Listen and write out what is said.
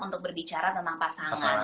untuk berbicara tentang pasangan